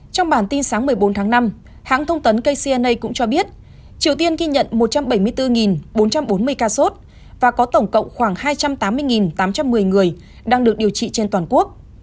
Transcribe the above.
trong bản tin sáng một mươi bốn tháng năm hãng thông tấn kcna cũng cho biết triều tiên ghi nhận một trăm bảy mươi bốn bốn trăm bốn mươi ca sốt và có tổng cộng khoảng hai trăm tám mươi tám trăm một mươi người đang được điều trị trên toàn quốc